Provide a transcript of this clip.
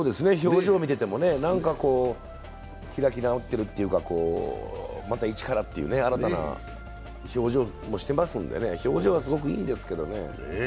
表情を見てても、開き直ってるというか、また一からという新たな表情もしてますんでね、表情はすごくいいんですけどね。